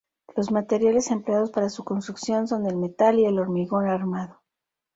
Los materiales empleados para su construcción son el metal y el hormigón armado.